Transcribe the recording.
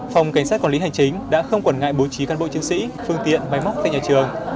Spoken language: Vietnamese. phòng cảnh sát của lý hành chính đã không quẩn ngại bố trí các bộ chiến sĩ phương tiện máy móc tại nhà trường